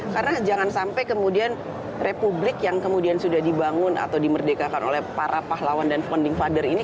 karena jangan sampai kemudian republik yang kemudian sudah dibangun atau dimerdekakan oleh para pahlawan dan founding father ini